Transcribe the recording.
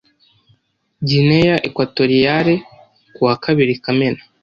gineya ekwatoriyale ku wa kabiri kamena